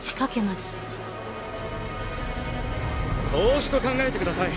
投資と考えてください。